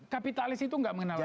kapitalis itu tidak mengenal